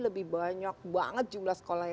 lebih banyak banget jumlah sekolah